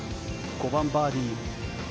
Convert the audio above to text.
５番、バーディー。